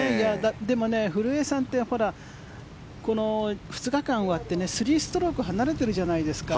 でも古江さんってこの２日間終わって３ストローク離れてるじゃないですか。